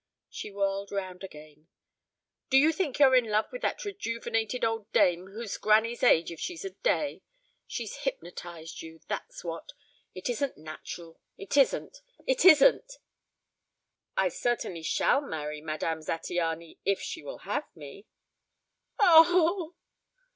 She whirled round again. "Do you think you're in love with that rejuvenated old dame who's granny's age if she's a day? She's hypnotized you, that's what. It isn't natural. It isn't. It isn't." "I certainly shall marry Madame Zattiany if she will have me." "O h h."